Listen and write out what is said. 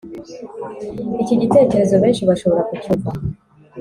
iki gitekerezo benshi bashobora kucyumva